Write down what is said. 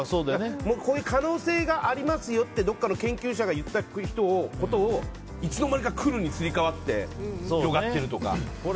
こういう可能性がありますよとどこかの研究者が言ったことをいつの間にか来るにすり替わって広がっているとか。